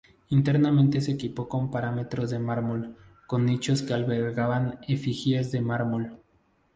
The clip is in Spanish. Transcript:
Internamente se equipó con paramentos de mármol, con nichos que albergaban efigies de mármol.